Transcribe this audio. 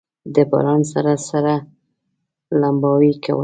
د باران سره سره لمباوې کولې.